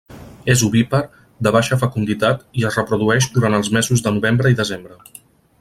És ovípar, de baixa fecunditat i es reprodueix durant els mesos de novembre i desembre.